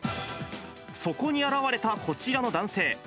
そこに現れたこちらの男性。